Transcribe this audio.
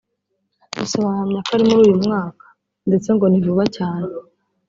gusa bahamya ko ari muri uyu mwaka ndetse ngo ni vuba cyane